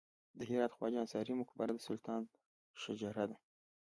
د هرات خواجه انصاري مقبره د سلطان سنجر ده